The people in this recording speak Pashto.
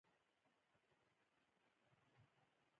داسې کيف مې په ټول ژوند کښې نه و محسوس کړى.